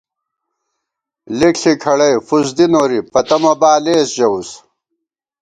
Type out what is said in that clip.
لِک ݪی کھڑَئی فُس دی نوری، پتہ مہ بالېس ژَوُس